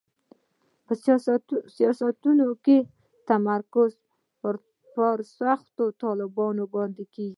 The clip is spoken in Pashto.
په سیاستونو کې تمرکز پر سختو طالبانو باندې کېږي.